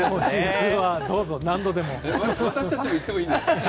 私たちも行ってもいいですか？